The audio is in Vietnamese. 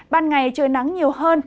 ban ngày trời nắng nhiều hơn